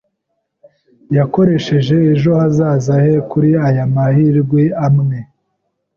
Yakoresheje ejo hazaza he kuri aya mahirwe amwe.